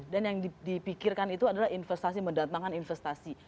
dan yang dipikirkan itu adalah investasi mendatangkan investasi